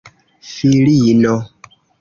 filino